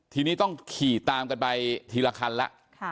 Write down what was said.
ทีนี้ต้องขี่ตามกันไปทีละคันแล้ว